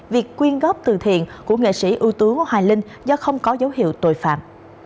việc quyên góp từ thiện của nghệ sĩ ưu tú hoài linh do không có dấu hiệu tội phạm